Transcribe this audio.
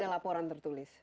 jadi ada laporan tertulis